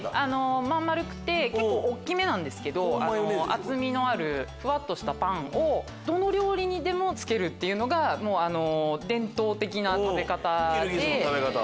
真ん丸くて結構大っきめなんですけど厚みのあるふわっとしたパンをどの料理にでも付けるのが伝統的な食べ方で。